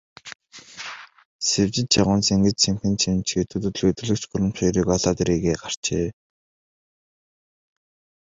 Сэвжид чавганц ингэж сэмхэн шивнэчхээд, төд удалгүй төлгөч гүрэмч хоёрыг олоод ирье гээд гарчээ.